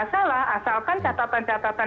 masalah asalkan catatan catatan